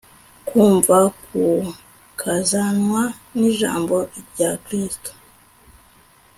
kumva kukazanwa n'ijambo rya kristo